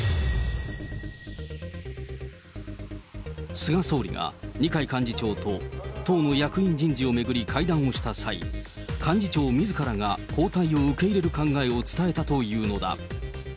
菅総理が二階幹事長と党の役員人事を巡り会談をした際、幹事長みずからが交代を受け入れる考えを伝えたというのだ。